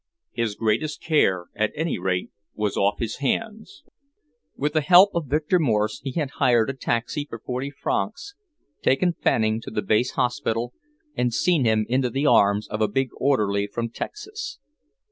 His greatest care, at any rate, was off his hands. With the help of Victor Morse he had hired a taxi for forty francs, taken Fanning to the base hospital, and seen him into the arms of a big orderly from Texas.